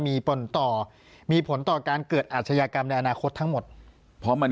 มีผลต่อมีผลต่อการเกิดอาชญากรรมในอนาคตทั้งหมดเพราะมัน